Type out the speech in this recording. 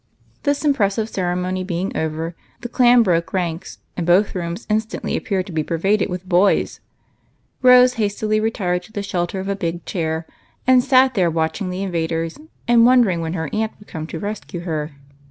This impressive ceremony being over, the clan broke ranks, and both rooms instantly appeared to be per yaded with boys. Rose hastily retired to the shelter of a big chair and sat there watching the invaders and wondering when her aunt would come and rescue her.